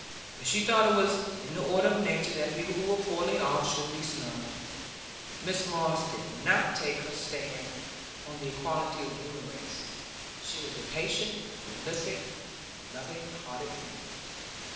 But she thought it was in the order of nature that people who were poorly off should be snubbed. Mrs Moss did not take her stand on the equality of the human race; she was a patient, prolific, loving hearted woman.